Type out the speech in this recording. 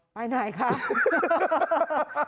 ไปไหนครับ